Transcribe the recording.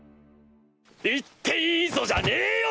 「行っていいぞ」じゃねえよ！